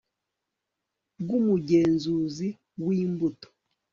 bw umugenzuzi w imbuto